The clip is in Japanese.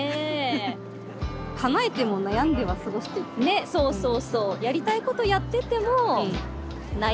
ねっそうそうそう。